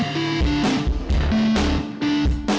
terima kasih ya